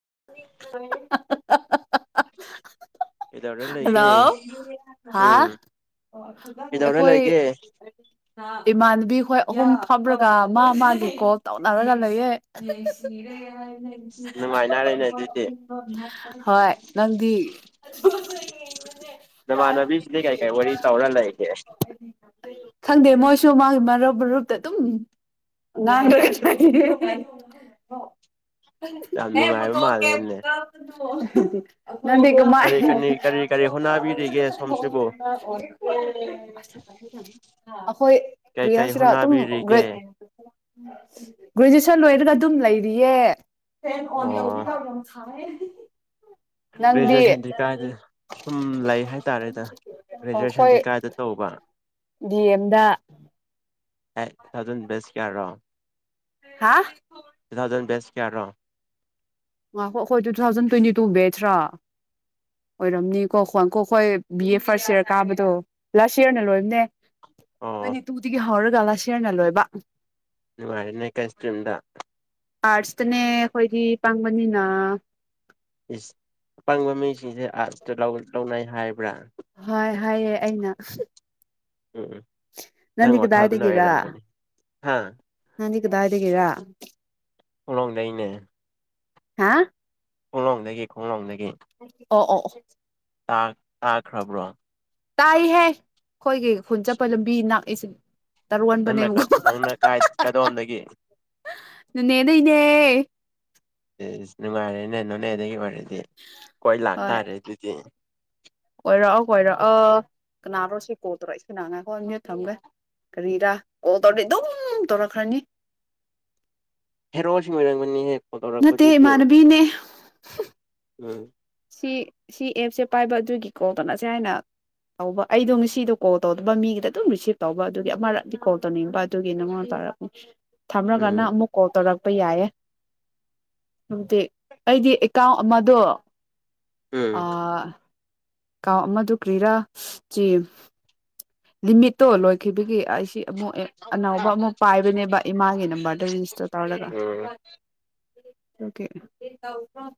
ꯍꯥ ꯍꯥ ꯍꯥ ꯀꯩꯗꯧꯔ ꯍꯥ ꯂꯩꯒꯦ ꯍꯥ ꯍꯥ ꯍꯥ ꯍꯜꯂꯣ ꯍꯥ ꯎꯝ ꯀꯩꯗꯧꯔ ꯑꯩꯈꯣꯏ ꯂꯩꯒꯦ ꯏꯃꯥꯟꯅꯕꯤ ꯍꯣꯏ ꯑꯍꯨꯝ ꯐꯝꯔꯒ ꯃꯥ ꯃꯥꯒꯤ ꯀꯣꯜ ꯇꯧꯅꯔꯒ ꯂꯩꯌꯦ ꯅꯨꯡꯉꯥꯏꯅꯔꯦꯅꯦ ꯑꯗꯨꯗꯤ ꯍꯣꯏ ꯅꯪꯗꯤ [unintelligible] ꯅꯃꯥꯟꯅꯕꯤꯁꯤꯗꯤ ꯀꯔꯤ ꯀꯥꯏ ꯋꯥꯔꯤ ꯇꯧꯔꯥ ꯂꯩꯒꯦ ꯈꯪꯗꯦ ꯃꯣꯏꯁꯨ ꯃꯥꯒꯤ ꯃꯔꯨꯞ ꯃꯔꯨꯞꯇ ꯑꯗꯨꯝ ꯉꯥꯡꯗ [unintelligible] ꯌꯥꯝ ꯅꯨꯡꯉꯥꯏꯕ ꯃꯥꯜꯂꯦꯅꯦ ꯑꯣ ꯅꯟꯒꯃꯥ ꯀꯔꯤ ꯀꯔꯤ ꯀꯔꯤ [unintelligible] ꯀꯔꯤ ꯍꯣꯠꯅꯕꯤꯔꯤꯒꯦ ꯁꯣꯝꯁꯤꯕꯨ ꯑꯩꯈꯣꯏ ꯀꯩ ꯀꯔꯤ ꯀꯩ ꯍꯥꯏꯁꯤꯔꯥ ꯑꯗꯨꯝ ꯍꯣꯠꯅꯕꯤꯔꯤꯒꯦ ꯒꯔ꯭ꯦ ꯒ꯭ꯔꯦꯖꯨꯁꯟ ꯂꯣꯏ ꯈꯔꯒ ꯑꯗꯨꯝ ꯂꯩꯔꯤꯌꯦ ꯐ ꯑꯣꯟ ꯇꯧ ꯑꯣ ꯍꯗꯤ ꯒ꯭ꯔꯦꯖꯨꯋꯦꯁꯟꯗꯤ ꯀꯥꯏꯗ ꯁꯨꯝ ꯂꯩ ꯍꯥꯏꯇꯥꯔꯦꯗ ꯑꯩꯈꯣꯏ ꯒ꯭ꯔꯦꯖꯨꯋꯦꯁꯟꯗꯤ ꯀꯥꯏꯗ ꯇꯧꯕ ꯗꯤ ꯑꯦꯝꯗ ꯑꯦ ꯇꯨꯊꯥꯎꯖꯟ ꯕꯦꯁ ꯀꯤꯌꯥꯔꯣ ꯍꯥ ꯗꯌꯥꯔꯣ ꯉꯍꯥꯛꯀꯣ ꯑꯩꯈꯣꯏ ꯇꯨꯊꯥꯎꯖꯟ ꯇ꯭ꯋꯦꯟꯇꯤ ꯇꯨ ꯕꯦꯠꯇ꯭ꯔꯥ ꯑꯣꯏꯔꯝꯅꯤꯀꯣ ꯈꯡꯀꯣ ꯑꯩꯈꯣꯏ ꯕꯤ ꯑꯦ ꯐꯥꯔꯁ ꯏꯌꯥꯔ ꯀꯥꯕꯗꯣ ꯂꯥꯁ ꯌꯔꯅ ꯂꯣꯏꯝꯅꯦ ꯑꯣ ꯃꯅꯤ ꯇꯨꯡ ꯗꯒꯤꯍꯧꯔ ꯂꯥꯁ ꯂꯣꯏꯕ ꯋꯥꯔꯅ ꯀ ꯏꯁ ꯏꯗ ꯑꯔꯠꯁꯇꯅꯦ ꯑꯩꯈꯣꯏꯒꯤ ꯄꯥꯡꯕꯅꯤꯅ ꯏꯁ ꯑꯄꯪꯕ ꯃꯤꯁꯤꯡꯁꯦ ꯑꯥꯇ ꯂꯧꯅꯩ ꯍꯥꯏꯕ ꯍꯣꯏ ꯍꯥꯏꯌꯦ ꯑꯩꯅ ꯎꯝ ꯎꯝ ꯅꯪ ꯅꯪꯗꯤ ꯋꯥꯈꯜꯗꯨꯅ ꯀꯗꯥꯏꯗꯒꯤꯔ ꯑꯣꯏꯔꯝꯝꯒꯅꯤ ꯍꯥ ꯅꯪꯗꯤ ꯀꯗꯥꯏꯗꯒꯤꯔ ꯈꯂꯣꯡꯗꯩꯅꯦ ꯍꯥ ꯎꯨꯡꯂꯣꯡꯗꯈꯤ ꯈꯣꯡꯂꯥꯎꯣꯡ ꯅ ꯑꯦ ꯑꯣ ꯑꯣ ꯇꯥ ꯇꯥꯈ꯭ꯔꯕ꯭ꯔꯣ ꯇꯥꯏ ꯍꯦ ꯑꯩꯈꯣꯏꯒꯤ ꯈꯨꯟ ꯆꯠꯄ ꯂꯝꯕꯤꯅ [inaudible] ꯅꯪꯅ ꯅꯪꯅ ꯀꯥꯏ ꯀꯗꯣꯝꯗꯒꯤ ꯅꯟꯅꯦ ꯗꯩꯅꯦ ꯅꯨꯉꯥꯢꯔꯦꯅꯦ ꯅꯣꯅꯦꯗꯒꯤ ꯑꯣꯢ ꯗꯤ ꯀꯣꯏ ꯍꯣꯏ ꯂꯥꯛꯇꯥꯔꯦ ꯑꯗꯨꯗꯤ ꯀꯣꯏꯔꯛꯑꯣ ꯀꯣꯏꯔꯛꯑꯣ ꯀꯅꯥꯔꯣ ꯁꯤ ꯀꯣꯜ ꯇꯧꯔꯛꯏꯁꯤꯅ ꯉꯥꯏꯈꯣ [unintelligible] ꯊꯝꯒꯦ ꯀꯔꯤꯔꯥ ꯀꯣꯜ ꯇꯧꯔꯗꯤ ꯑꯗꯨꯝ ꯇꯧꯔꯛꯈ꯭ꯔꯅꯤ ꯍꯦꯔꯣꯁꯨ ꯃꯣꯏꯔꯝꯒꯅꯤ ꯅꯠꯇꯦ ꯏꯃꯥꯟꯅꯕꯤꯅꯦ ꯎꯝ ꯁꯤ ꯁꯤ ꯑꯦꯞꯁꯦ ꯄꯥꯏꯕ ꯑꯗꯨꯒꯤ ꯀꯣꯜ ꯇꯧꯅꯁꯦ ꯍꯥꯏꯅ ꯇꯧꯕ ꯑꯩꯗꯣ ꯉꯁꯤꯗꯣ ꯀꯣꯜ ꯇꯧꯗꯕ ꯃꯤꯒꯤꯗ ꯑꯗꯨꯝ ꯔꯤꯁꯤꯞ ꯇꯧꯕ ꯑꯗꯨꯒꯤ ꯑꯃꯔꯛꯗꯤ ꯀꯣꯜ ꯇꯧꯅꯤꯡꯕ ꯑꯗꯨꯒꯤ ꯅꯉꯣꯟ ꯇꯧꯔꯛꯄꯅꯤ ꯊꯝꯔꯒꯅ ꯎꯝ ꯑꯃꯨ ꯀꯣꯜ ꯇꯧꯔꯛ ꯄ ꯌꯥꯏꯌꯦ ꯑꯗꯨꯗꯤ ꯑꯩꯗꯤ ꯑꯦꯀꯥꯎꯟ ꯑꯃꯗꯣ ꯎꯝ ꯑ ꯀꯥꯎ ꯑꯃꯗꯨ ꯀ꯭ꯔꯤꯔꯥ ꯆꯤ ꯂꯤꯃꯤꯠꯇꯣ ꯂꯣꯏꯈꯤꯕꯒꯤ ꯑꯩꯁꯤ ꯑꯃꯨꯛ ꯑꯅꯧꯕ ꯑꯃꯨꯛ ꯄꯥꯏꯕꯅꯦꯕ ꯏꯃꯥꯒꯤ ꯅꯝꯕꯔꯗ ꯔꯦꯖꯤꯁꯇꯔ ꯇꯧꯔꯒ ꯎꯝ [unintelligible]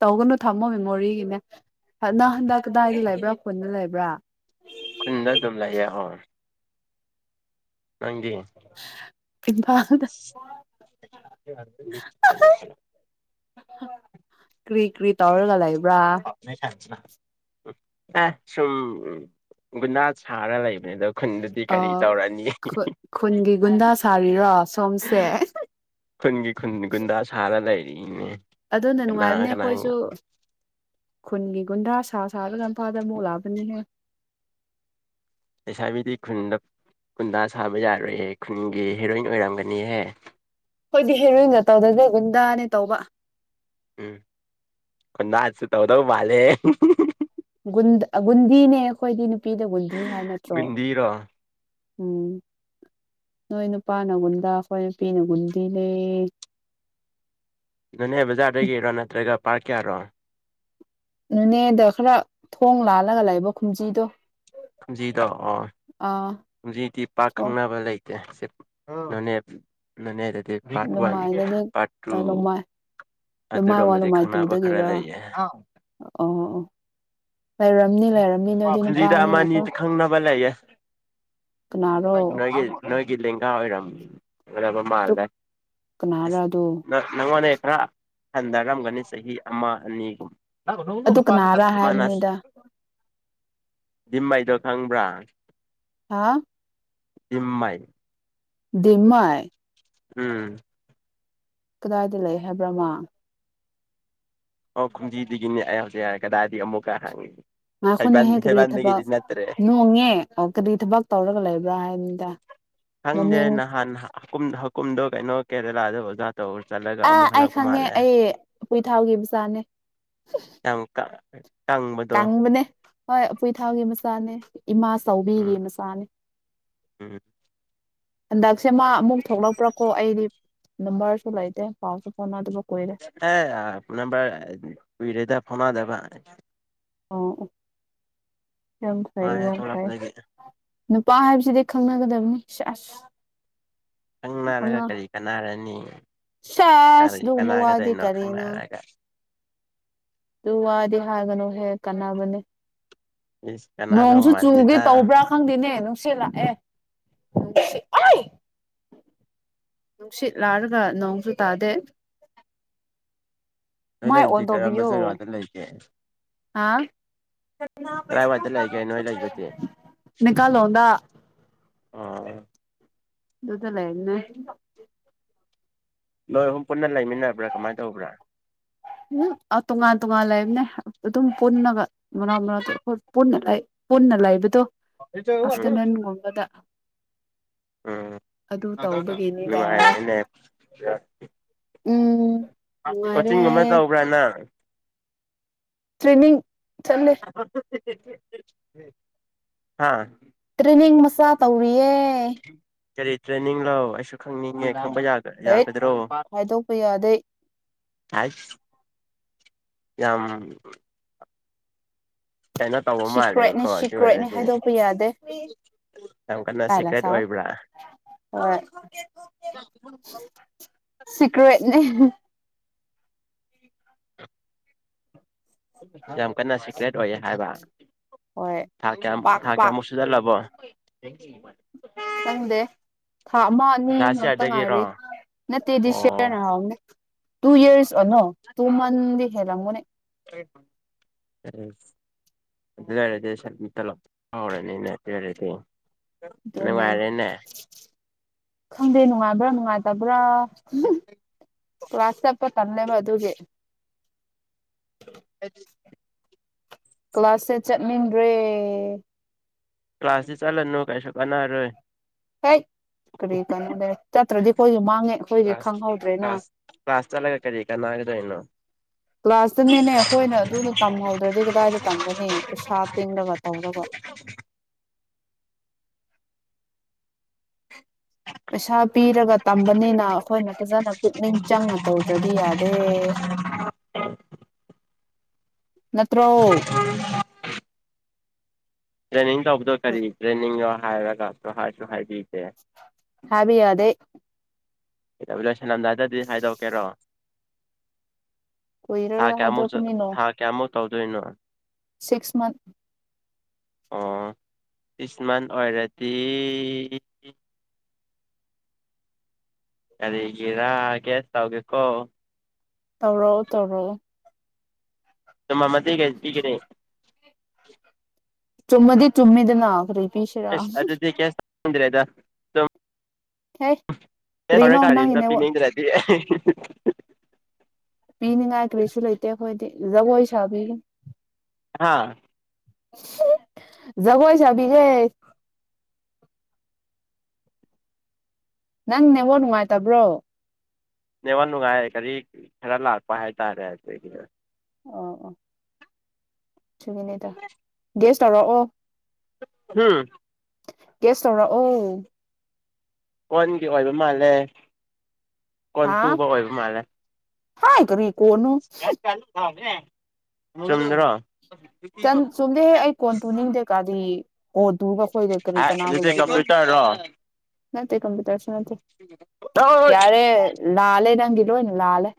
ꯇꯧꯒꯅꯨ ꯊꯝꯃꯣ ꯃꯦꯃꯣꯔꯤꯒꯤꯅꯦ ꯅ ꯍꯟꯗꯛ ꯀꯗꯥꯏꯗ ꯂꯩꯕ꯭ꯔꯥ ꯈꯨꯟꯗ ꯂꯩꯕ꯭ꯔꯥ ꯈꯨꯟꯗ ꯑꯗꯨꯝ ꯂꯩꯑꯦ ꯍꯣꯏ ꯅꯪꯗꯤ [inaudible] [inaudible] ꯏꯝꯐꯥꯜ [unintelligible] [unintelligible] [inaudible] ꯀ꯭ꯔꯤ ꯀ꯭ꯔꯤ ꯇꯧꯔꯒ ꯂꯩꯕ꯭ꯔꯥ ꯑꯦ ꯁꯨꯝ ꯒꯨꯟꯗꯥ ꯁꯥꯔ ꯂꯩꯕꯅꯦ ꯑꯗ ꯑ ꯈꯨꯟꯒꯤꯒꯨꯟꯗꯥ ꯁꯥꯔ [unintelligible] ꯈꯨꯟꯒꯤ ꯈꯨꯟꯒꯤ ꯒꯨꯟꯗꯥ ꯁꯥꯔ ꯂꯩ [unintelligible] ꯑꯗꯨꯅ ꯅꯨꯡꯉꯥꯏꯕꯅꯦ ꯑꯩꯈꯣꯏꯁꯨ ꯈꯨꯟꯒꯤ ꯒꯨꯗꯥ ꯍꯥ ꯁꯥꯥ ꯁꯥꯕ ꯂꯝ ꯐꯥꯗ ꯃꯣꯂꯥꯕꯅꯤ ꯍꯥꯏ ꯂꯩꯁꯥꯕꯤꯗꯤ ꯈꯨꯟꯗ ꯈꯨꯟꯗꯥ ꯁꯥꯕ ꯌꯥꯔꯣꯏꯍꯦ ꯈꯨꯟꯒꯤ ꯍꯦꯔꯣꯏꯟ ꯑꯣꯏꯔꯝꯒꯅꯤꯍꯦ ꯍꯣꯏꯗꯤ ꯍꯦꯔꯣꯏꯟꯗ ꯇꯧꯗꯁꯦ ꯒꯨꯟꯗꯥꯅꯦ ꯇꯧꯕ ꯎꯝ ꯀꯅꯥꯁꯨ ꯇꯧꯗꯧ ꯃꯥꯂꯦ ꯒꯕꯨꯟꯗꯤꯅꯦ ꯑꯩꯈꯣꯏꯗꯅꯤ ꯅꯨꯄꯤꯗꯕꯨ [unintelligible] ꯅꯠꯇ꯭ꯔꯣ ꯒꯨꯟꯗꯤꯔꯣ ꯎꯝ ꯅꯣꯏ ꯅꯨꯄꯥꯅꯒꯨꯟꯗꯦ ꯑꯩꯈꯣꯏ ꯅꯨꯄꯤꯅ ꯒꯨꯟꯗꯤ ꯅꯦ ꯅꯅꯦ ꯕꯖꯥꯗꯒꯤꯔꯣ ꯅꯠꯇ꯭ꯔꯒ ꯄꯥꯔꯠ ꯀꯌꯥꯅꯣ ꯅꯅꯦꯗ ꯈꯔ ꯊꯣꯡ ꯂꯥꯜꯂꯒ ꯂꯩꯕ ꯈꯨꯟꯖꯤꯡꯗꯣ ꯖꯤꯗ ꯑꯣ ꯍꯧꯖꯤꯛꯇꯤ ꯄꯥꯛ ꯊꯣꯡ ꯈꯪꯅꯕ ꯂꯩ ꯅꯅꯦ ꯅꯅꯦ ꯍꯥꯏ ꯑ ꯄꯥꯔꯠ ꯋꯥꯟ ꯂꯨꯃꯥꯏꯗꯗꯤ ꯄꯥꯔꯠ ꯇꯨ ꯂꯨꯃꯥꯏ ꯂꯨꯃꯥꯏ ꯋꯥꯟ ꯑꯗꯨꯔꯣꯝꯗꯗꯤ ꯂꯨꯃꯥꯏ ꯈꯪꯅꯕ ꯈꯔ ꯇꯨꯗꯒꯤꯔ ꯑꯣ ꯂꯩꯌꯦ ꯑꯣ ꯂꯩꯔꯝꯅꯤ ꯂꯩꯔꯝꯅꯤ ꯅꯣꯏꯗꯤ ꯄꯨꯟꯁꯤꯗ ꯅꯨꯄꯥꯅꯤꯅꯀꯣ ꯑꯃꯅꯤꯗꯤ ꯈꯪꯅꯕ ꯂꯩꯌꯦ [unintelligible] ꯀꯅꯥꯔꯣ ꯅꯣꯏ ꯅꯣꯏꯒꯤ ꯒꯤ ꯂꯩꯅꯥꯒꯥ ꯑꯣꯏꯔꯝꯅꯤ ꯑꯗꯨ ꯃꯥꯜꯂꯦ ꯀꯅꯥꯔ ꯑꯗꯨ ꯅꯪꯉꯣꯟꯗꯒꯤ ꯋꯥ ꯍꯟꯊꯔꯝꯒꯅꯤ ꯆꯍꯤ ꯑꯃ ꯑꯅꯤꯒꯨꯝ ꯑꯗꯨ ꯀꯅꯥꯔꯥ ꯃꯟꯅ ꯍꯥꯏꯕꯅꯤꯗ ꯗꯤꯝꯃꯩꯗꯣ ꯈꯪꯕ꯭ꯔꯥ ꯍꯥꯥ ꯗꯤꯝꯃꯩ ꯗꯤꯝꯃꯩ ꯎꯝ ꯀꯗꯥꯏꯗ ꯂꯩ ꯍꯥꯏꯕ꯭ꯔ ꯃꯥ ꯑꯣ ꯈꯨꯟꯖꯤꯗꯒꯤꯅꯦ ꯑꯩ ꯍꯧꯖꯤꯛ ꯍꯥꯏꯌꯦ ꯀꯗꯥꯏꯗꯤ ꯑꯃꯨꯛꯀ ꯍꯡꯉꯤ ꯉꯥꯏꯈꯣ ꯅꯦꯍꯦ ꯀꯔꯤ ꯊꯕꯛ ꯅꯣꯡꯉꯦ ꯑꯣ ꯀꯔꯤ ꯊꯕꯛ ꯇꯧꯔꯒ ꯂꯩꯕ꯭ꯔꯥ ꯍꯥꯏꯕꯅꯤꯗ ꯈꯪꯗꯦ ꯃꯃꯤꯡ ꯅꯍꯥꯟ ꯍꯥꯀꯨꯝ ꯍꯥꯀꯨꯝꯗꯣ ꯀꯩꯅꯣ ꯀꯦꯔꯂꯥꯗ ꯑꯥ ꯑꯩ ꯈꯪꯉꯦ ꯑꯩ ꯎꯄꯨꯏ ꯊꯥꯎꯒꯤ ꯃꯆꯥꯅꯦ ꯍ ꯇꯥꯡꯕꯅꯦ ꯍꯣꯏ ꯎꯄꯨꯏ ꯊꯥꯎꯒꯤ ꯃꯆꯥꯅꯦ ꯏꯃꯥ ꯆꯥꯎꯕꯤꯒꯤ ꯎꯝ ꯃꯆꯥꯅꯦ ꯎꯝ ꯍꯟꯗꯛ ꯁꯦ ꯃꯥ ꯑꯃꯨꯛ ꯊꯣꯛꯂꯛꯄ꯭ꯔꯀꯣ ꯑꯩꯗꯤ ꯅꯝꯕꯔꯁꯨ ꯂꯩꯇꯦ ꯄꯥꯎꯁꯨ ꯐꯥꯎꯅꯗꯕ ꯀꯨꯏꯔꯦ ꯍꯦ ꯅꯝꯕꯔ ꯀꯨꯏꯔꯦꯗ ꯐꯥꯎꯅꯗꯕ ꯑꯣ ꯑꯣ ꯌꯥꯝ ꯃꯥ ꯐꯩ ꯍꯦꯛ ꯌꯥꯝ ꯐꯩ ꯊꯣꯛꯂꯛꯄꯗꯒꯤ ꯅꯨꯄꯥ ꯍꯥꯏꯕꯁꯤꯗꯤ ꯈꯪꯅꯒꯗꯕꯅꯤ ꯁꯦꯁ ꯈꯪꯅꯔꯒ ꯀꯔꯤ ꯀꯥꯟꯅꯔꯅꯤ ꯁꯦꯁ ꯀꯔꯤ ꯑꯗꯨꯒꯨꯝꯕ ꯋꯥꯗꯤ ꯀꯅꯥꯒꯗꯣꯏꯅꯣ ꯀꯔꯤꯅ ꯈꯪꯅꯔꯒ ꯑꯗꯨ ꯋꯥꯗꯤ ꯍꯥꯏꯒꯅꯨꯍꯦ ꯀꯥꯟꯅꯕꯅꯦ ꯏꯁ ꯀꯅꯥꯗꯧ ꯅꯣꯡꯁꯨ ꯆꯨꯒꯦ ꯃꯥꯟꯗꯦꯗ ꯇꯧꯕ꯭ꯔꯥ ꯈꯪꯗꯦꯅꯦ ꯁꯤꯂ ꯑꯦ ꯅꯨꯡꯁꯤꯠ ꯂꯥꯔꯒ ꯅꯣꯡꯁꯨ ꯇꯥꯗꯦ ꯅ ꯃꯥꯏ ꯂꯩꯕꯨꯗꯤ ꯑꯣꯟ ꯀꯔꯝꯕ ꯖꯒꯥꯗ ꯂꯩꯒꯦ ꯍꯥꯥ ꯀꯗꯥꯏꯋꯥꯏꯗ ꯂꯩꯒꯦ ꯅꯣꯏ ꯂꯩꯕꯗꯤ ꯀꯥꯜꯣꯗꯥ ꯑ ꯑꯗꯨꯗꯂꯟꯅ ꯅꯣꯏ ꯑꯍꯨꯝ ꯄꯨꯟꯅ ꯂꯩꯃꯤꯟꯅꯕ꯭ꯔꯥ ꯀꯃꯥꯏꯅ ꯇꯧꯕ꯭ꯔꯥ ꯎꯝ ꯇꯣꯉꯥꯟ ꯇꯣꯉꯥꯟ ꯂꯩꯕꯅꯦ ꯑꯗꯨꯝ ꯄꯨꯟꯅꯒ ꯃꯅꯥꯥꯎ ꯃꯔꯅꯥꯎ ꯑꯩꯈꯣꯏ ꯄꯨꯟꯅ ꯂꯩꯕꯗꯣ ꯎꯝ ꯑꯐꯇꯔꯅꯨꯟ ꯋꯥꯕꯗ ꯎꯝ ꯇꯧꯕꯒꯤꯅꯤꯗ ꯅꯨꯡꯉꯥꯏꯔꯦꯅꯦ ꯎꯝ ꯅꯨꯡꯉꯥꯏꯔꯦ ꯀꯣꯆꯤꯡꯒꯨꯝꯕ ꯇꯧꯕ꯭ꯔꯅ ꯇ꯭ꯔꯦꯅꯤ ꯑ ꯍꯥꯥ ꯇꯧꯔꯤ ꯑꯦ ꯀꯔꯤ ꯇ꯭ꯔꯦꯅꯤꯡꯡ ꯂꯑꯣ ꯈꯪꯅꯤꯡꯉꯦ ꯈꯪꯕ ꯌꯥ ꯍꯩꯠ ꯌꯥꯒꯗ꯭ꯔꯣ ꯍꯥꯏꯗꯣꯛꯄ ꯌꯥꯗꯦ ꯍꯥꯏ ꯑ ꯁꯤꯀ꯭ꯔꯦꯠꯅꯤ ꯃꯥꯜꯂꯦꯀꯣ ꯑꯗꯨ ꯁꯤꯀ꯭ꯔꯦꯠꯅꯤ ꯑꯣꯏꯔꯗꯤ ꯍꯥꯏꯗꯣꯛꯄ ꯌꯥꯗꯦ ꯌꯥꯝ ꯀꯟꯅ ꯀꯥꯏꯂ ꯁꯤꯀ꯭ꯔꯦꯠ ꯁꯥ ꯑꯣꯏꯕ꯭ꯔꯥ ꯍꯣꯏ ꯁꯤꯀ꯭ꯔꯦꯠꯅꯤ ꯌꯥꯝꯝ ꯀꯅꯥ ꯁꯤ ꯭ꯂꯦꯠ ꯑꯣꯏꯌꯦ ꯍꯥꯏꯕ ꯍꯣꯏ ꯊꯥ ꯀꯌꯥꯃꯨꯛ ꯄꯥꯛ ꯊꯥ ꯄꯥꯛ ꯀꯌꯥꯃꯨꯛ ꯁꯨꯖꯜꯂꯕꯣ ꯊꯦꯡ ꯈꯪꯗꯦ ꯊꯥ ꯑꯃ ꯂꯥꯁ ꯑꯅꯤꯃꯛꯇ ꯉꯥꯏꯔꯤ ꯌꯥꯔꯗꯒꯤꯔꯣ ꯅꯠꯇꯦꯗꯤ ꯑꯣ ꯁꯤꯔꯟ ꯑꯔꯥꯎꯟ ꯇꯨ ꯌꯔꯁ ꯑꯅꯣ ꯇꯨꯃꯟ ꯍꯂ ꯃꯅꯦ ꯎꯝ ꯑꯗꯨ ꯂꯩꯔꯗꯤ ꯁꯃꯤꯠꯇ ꯂ ꯐꯥꯎꯔꯅꯤꯅꯦ ꯑꯗꯨ ꯂꯩꯔꯗꯤ ꯑꯗꯨꯅꯦ ꯈꯪꯗꯦ ꯅꯨꯡꯉꯥꯏꯕ꯭ꯔꯥ ꯅꯨꯡꯉꯥꯏꯇ ꯭ꯔꯥ ꯋꯥꯁꯞ ꯄ ꯇꯟꯅꯦꯕ ꯑꯗꯨꯦ ꯑꯗꯨ ꯀ꯭ꯂꯥꯁꯁꯦ ꯆꯠꯅꯤꯡꯟꯅ꯭ꯔꯦ ꯀ ꯀ꯭ꯂꯥꯁꯁꯤ ꯆꯥꯂ ꯅ ꯀꯥꯏ ꯁꯀ ꯅꯔꯣꯏ ꯍꯦꯛ ꯀꯔꯤ ꯀꯅꯣꯅꯦ ꯆꯠꯇ꯭ꯔꯗꯤ ꯑꯩꯈꯣꯏꯁꯨ ꯃꯥꯡꯉꯦ ꯑꯩꯈꯣꯏꯁꯦ ꯀ꯭ꯂꯥꯁ ꯈꯪꯍꯧꯗ꯭ꯔꯦꯅ ꯀ꯭ꯂꯥꯁ ꯀ꯭ꯂꯥꯁ ꯆꯠꯂꯒ ꯀꯔꯤ ꯀꯥꯟꯅꯒꯗꯣꯏꯅꯣ ꯀ꯭ꯂꯥꯁꯇ ꯅꯦꯅꯦ ꯑꯩꯈꯣꯏꯅ ꯑꯗꯨꯅ ꯇꯝꯍꯧꯗ꯭ꯔꯗꯤ ꯀꯗꯥꯏꯗ ꯇꯝꯒꯅꯤ ꯄꯩꯁꯥ ꯇꯤꯡꯔꯒ ꯇꯧꯔꯒ [inaudible] ꯄꯩꯁꯥ ꯄꯤꯔꯒ ꯇꯝꯕꯅꯤꯅ ꯑꯩꯈꯣꯏꯅ ꯐꯖꯅ ꯄꯨꯛꯅꯤꯡ ꯆꯪꯅ ꯇꯧꯗ꯭ꯔꯗꯤ ꯌꯥꯗꯦ ꯅ ꯇ꯭ꯔꯣ ꯔꯅꯤ ꯌꯥꯎꯕꯗꯣ ꯀꯔꯤꯒꯤ ꯇ꯭ꯔꯦꯅꯤꯡ ꯔ ꯍꯥꯏꯔꯒꯁꯨ ꯍꯥꯏꯁꯨ ꯍꯥꯏꯗꯦ ꯍꯥꯏꯕ ꯌꯥꯗꯦ ꯀ ꯂꯣꯏꯁꯜꯂꯝꯗꯥꯏꯗꯗꯤ ꯍꯥꯏꯗꯣꯛꯀꯦꯔꯣ ꯍꯥ ꯀꯨꯏꯔꯔꯣꯏ ꯀꯃꯁꯨ ꯍꯥꯏꯗꯣꯛꯀꯅꯤꯅꯣ ꯍꯥꯥ ꯀꯃꯨ ꯇꯧꯗꯣꯏꯅꯣ ꯁꯤꯛꯁ ꯃꯟꯊ ꯑꯣ ꯏꯁꯁꯃꯥꯟ ꯑꯣꯏꯔꯗꯤ ꯀꯔꯤꯒꯤꯔꯥ ꯀꯦꯁ ꯇꯧꯒꯦꯀꯣ ꯇꯧꯔꯣ ꯇꯧꯔꯣ ꯁꯃ ꯃꯗꯤꯒ ꯏꯒꯅꯤꯦ ꯆꯨꯝꯃꯗꯤ ꯆꯨꯝꯃꯤꯗ ꯅ ꯐꯔꯤ ꯄꯤꯁ꯭ꯔꯥꯝ ꯑꯁ [unintelligible] ꯈꯔ ꯀꯔ ꯀꯥꯗꯗ ꯄꯤꯅꯤꯡꯗ꯭ꯔꯗꯤ [unintelligible] ꯄꯤꯅꯤꯡꯉꯥꯏ ꯀꯔꯤꯁꯨ ꯂꯩꯇꯦ ꯑꯩꯈꯣꯏꯗꯤ ꯖꯒꯣꯏ ꯁꯥꯕꯤ ꯍꯥꯥ ꯒꯣꯏꯁꯕꯤꯤꯒꯦ ꯅꯪ ꯅꯕꯣ ꯅꯨꯡꯉꯥꯏꯇꯕ꯭ꯔꯣ ꯅ ꯋꯥ ꯅꯨꯡꯉꯥꯏ ꯀꯔꯤ ꯈꯔ ꯂꯥꯛꯄ ꯍꯥꯏꯇꯥꯔꯦ ꯑꯩꯈꯣꯏꯒꯤꯅ ꯑꯣ ꯑꯣ [unintelligible] ꯇꯧꯔꯛꯑꯣ ꯍꯝ ꯀꯦꯁ ꯇꯧ꯭ꯔ ꯑꯣ ꯀꯣꯟꯒꯤ ꯑꯣꯏꯕ ꯃꯥꯜꯂꯦ ꯀꯣꯟ ꯆꯨꯕ ꯑꯣꯏꯕ ꯃꯥꯜꯂꯦ ꯍꯥꯏ ꯀꯔꯤ ꯀꯣꯟꯅꯣ [unintelligible] ꯆꯨꯝꯗ꯭ꯔꯣ ꯆꯨꯝꯗꯦ ꯍꯦ ꯑꯩ ꯀꯣꯟ ꯇꯨꯅꯤꯡꯗꯦ ꯀꯥꯗꯤ ꯀꯗꯨꯨꯒ ꯑꯩꯈꯣꯏꯒ ꯀꯔꯤ ꯀꯅꯥꯕꯨ ꯑꯗꯨꯗꯤ ꯂꯩꯕ꯭ꯔꯥ ꯀꯝꯄ꯭ꯌꯨꯇꯔꯔꯣ ꯅꯠꯇꯦ ꯀꯝꯄ꯭ꯌꯨꯇꯔꯁꯨ ꯅꯠꯇꯦ ꯌꯥꯔꯦ ꯂꯥꯜꯂꯦ ꯅꯪꯒꯤ ꯂꯣꯏꯅ ꯂꯥꯜꯂꯦ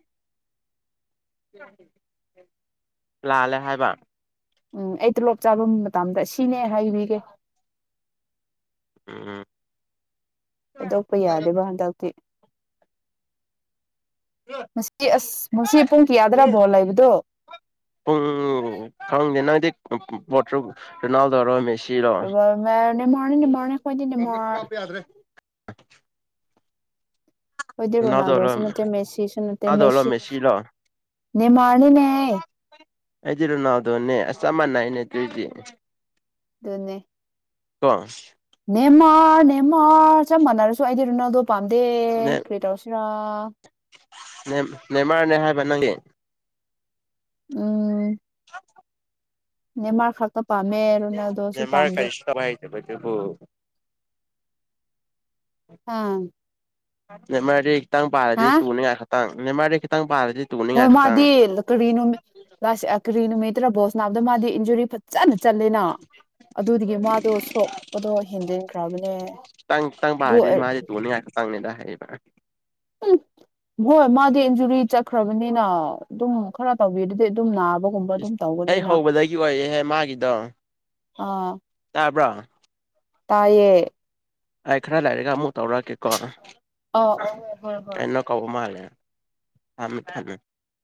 ꯂꯥꯜꯂꯦ ꯍꯥꯏꯕ ꯎꯝ ꯑꯩ ꯇꯣꯂꯣꯞ ꯆꯥꯐꯝ ꯃꯇꯝꯗ ꯁꯤꯅꯦ ꯍꯥꯏꯔꯤꯒꯦ ꯎ ꯊꯣꯏꯗꯣꯛꯄ ꯌꯥꯗꯦꯕ ꯍꯟꯗꯛꯇꯤ ꯉꯁꯤ ꯑꯁ ꯉꯁꯤ ꯄꯨꯡ ꯀꯌꯥꯗ꯭ꯔꯥ ꯚꯣꯜ ꯂꯩꯕꯗꯣ ꯎ ꯄꯠ꯭ꯔ ꯅꯜꯗꯔꯣꯃꯦꯦꯁ ꯃ ꯅꯦ ꯃꯥꯔꯅꯦꯅꯤꯕꯥꯅꯦ ꯀꯅ ꯀꯞꯄ ꯌꯥꯗ꯭ꯔꯦ [unintelligible] ꯑꯩꯣꯏ ꯔꯣꯅꯗꯣꯁꯅꯨ ꯃꯦꯁꯤ ꯁꯅ ꯔꯣꯅꯥꯜꯗꯣꯔꯣ ꯃꯦꯁꯤ ꯃꯦꯁꯤꯔꯣ ꯅꯅꯤꯃꯅꯅꯦ ꯑꯩꯗꯤꯔꯨꯅꯥꯎꯗꯣꯅꯦ ꯑ ꯆꯃꯥꯟꯅꯏꯅꯦ ꯑꯗꯨꯔꯤꯗꯤ ꯑꯗꯨꯣꯟꯅꯦ ꯄꯁ ꯅꯦꯃ ꯅꯦꯃ ꯁ ꯅꯔꯁꯨ ꯑꯗꯤꯔ ꯅꯗꯣ ꯄꯥꯟꯗꯦ ꯀꯦꯇ ꯑꯣꯁꯤꯔ [unintelligible] ꯅꯦꯝꯃꯔꯅꯦ ꯍꯥꯏꯕ ꯅꯪꯒꯤ ꯎꯝ ꯅꯦ ꯃꯥ ꯀꯛꯇꯄ ꯃꯦꯔ ꯅ ꯃꯔꯔ ꯀꯔꯤꯁꯇ ꯍꯥꯏꯦ ꯍ ꯑꯥ ꯑꯦ ꯃꯥꯗꯤ ꯈꯤꯇꯪ ꯄꯥꯔꯗꯤ ꯍꯥ ꯇꯨꯅꯤꯉꯥꯏ ꯈꯛꯇꯪ ꯅꯦꯃꯥꯏꯔ ꯈꯈꯤꯪ ꯍꯣꯏ ꯃꯥꯗꯤ ꯀꯔꯤ ꯅꯨꯃꯤꯠ ꯂ ꯀꯔꯤ ꯅꯨꯃꯤꯠꯇ꯭ꯔꯥꯕꯣ ꯅꯥꯝꯗ ꯃꯥꯗꯤ ꯏꯟꯖꯨꯔꯤ ꯐꯖꯅ ꯆꯠꯂꯦꯅ ꯑꯗꯨꯗꯒꯤ ꯃꯥꯗꯣ ꯁꯣꯛꯄꯗꯣ ꯍꯦꯟꯖꯤꯟꯈ꯭ꯔꯕꯅꯦ ꯆꯥꯡ ꯆꯥꯡ ꯑꯗꯨ ꯍꯥꯏꯗꯤ ꯃꯥꯦ ꯊꯣꯅꯤ ꯍꯥꯏ ꯆꯥꯡꯅꯦꯗꯦ ꯑꯩꯕ ꯍꯣꯏ ꯃꯥꯗꯤ ꯏꯟꯖꯨꯔꯤ ꯆꯠꯈ꯭ꯔꯕꯅꯤꯅ ꯑꯗꯨꯝ ꯈꯔ ꯇꯧꯕꯤ ꯑꯗꯨꯗꯤ ꯑꯗꯨꯝ ꯅꯥꯕ ꯑꯩ ꯍꯧꯕꯗꯒꯤ ꯑꯣꯏꯔꯛꯦꯍꯦ ꯃꯥꯒꯤꯗꯣ ꯇꯥꯕ꯭ꯔꯣ ꯇꯌꯦ ꯑꯥꯏ ꯈꯔꯥ ꯂ ꯂꯩꯔꯦꯒ ꯑꯃꯨꯛ ꯇꯧꯔꯛꯀꯦꯀꯣ ꯑꯥ ꯍꯣꯏ ꯍꯣꯏ ꯍꯣꯏ ꯑꯩꯅ ꯀꯧꯕ ꯃꯥꯜꯂꯦ ꯊꯃꯦ ꯊꯃꯦ